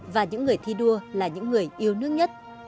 và những người thi đua là những người yêu nước nhất